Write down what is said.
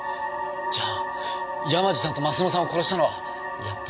じゃあ山路さんと鱒乃さんを殺したのはやっぱり倉林。